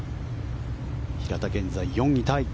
平田、現在４位タイ。